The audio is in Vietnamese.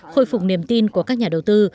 khôi phục niềm tin của các nhà đầu tư